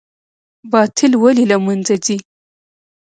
باطل ولې له منځه ځي؟